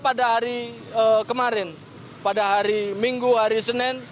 pada hari kemarin pada hari minggu hari senin